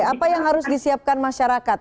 apa yang harus disiapkan masyarakat